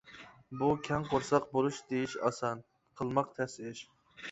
بۇ كەڭ قورساق بولۇش دېيىش ئاسان، قىلماق تەس ئىش.